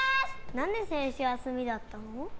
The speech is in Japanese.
何で先週休みだったの？